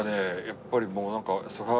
やっぱりもうなんか。